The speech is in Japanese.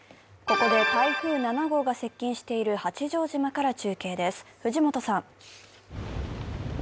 ここで台風７号が接近している八丈島から中継です、藤本さん。